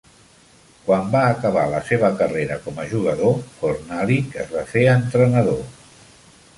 Quan va acabar la seva carrera com a jugador, Fornalik es va fer entrenador.